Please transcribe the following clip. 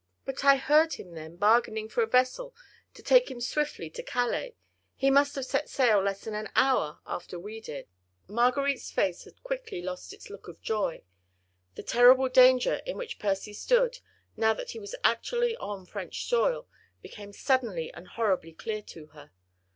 But I heard him then, bargaining for a vessel to take him swiftly to Calais; and he must have set sail less than an hour after we did." Marguerite's face had quickly lost its look of joy. The terrible danger in which Percy stood, now that he was actually on French soil, became suddenly and horribly clear to her.